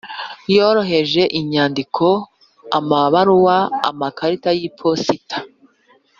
Yoroheje inyandiko amabaruwa amakarita y’iposita